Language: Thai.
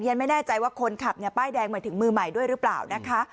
ฉันไม่แน่ใจว่าคนขับเนี่ยป้ายแดงหมายถึงมือใหม่ด้วยหรือเปล่านะคะ